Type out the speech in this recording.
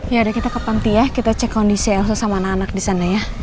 ya udah kita ke panti ya kita cek kondisi elsa sama anak anak disana ya